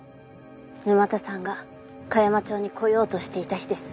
沼田さんが香山町に来ようとしていた日です。